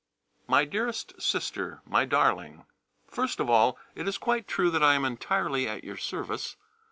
MY DEAREST SISTER, MY DARLING, First of all it is quite true that I am entirely at your service.